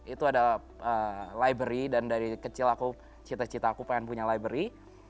itu ada library dan dari kecil aku cita cita aku pengen punya library